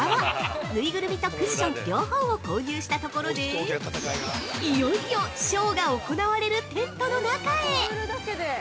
ぬいぐるみとクッション両方を購入したところで、いよいよショーが行われるテントの中へ。